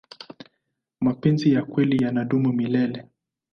mapenzi ya kweli yanadumu milele